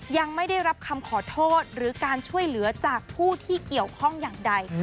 ยังไม่ได้รับคำขอโทษหรือการช่วยเหลือจากผู้ที่เกี่ยวข้องอย่างใด